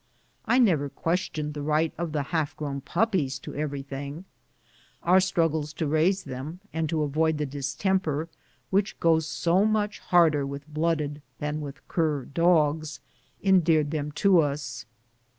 I never questioned the right of the half grown puppies to everything. Our struggles to raise them, and to avoid the distemper which goes so much harder with blooded than with cur dogs, endeared them to us.